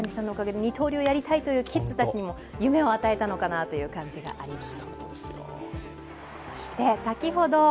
大谷さんのおかげで二刀流をやりたいというキッズたちにも夢を与えたのかなと思います。